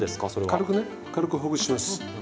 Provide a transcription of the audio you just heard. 軽くほぐします。